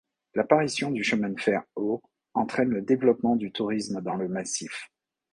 L'apparition du chemin de fer au entraîne le développement du tourisme dans le massif.